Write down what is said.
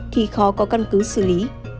thì khó có căn cứ xử lý